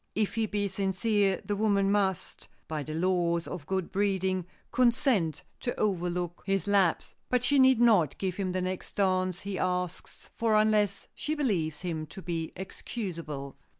If he be sincere the woman must, by the laws of good breeding, consent to overlook his lapse, but she need not give him the next dance he asks for unless she believes him to be excusable.